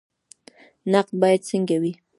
نقد باید څنګه وي؟